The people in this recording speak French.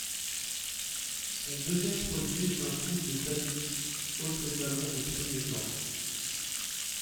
Son deuxième produit est un fils de Tapit, autre étalon de premier plan.